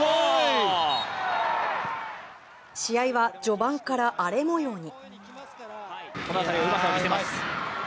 試合は序盤から荒れ模様に。